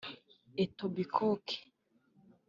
Etobikoke